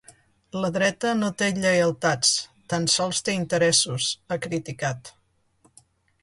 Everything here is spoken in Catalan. La dreta no té lleialtats, tan sols té interessos, ha criticat.